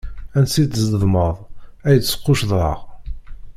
Ansi d tzedmeḍ, ay d-squccḍeɣ.